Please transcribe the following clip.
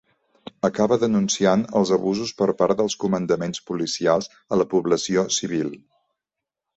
Acaba denunciant els abusos per part dels comandaments policials a la població civil.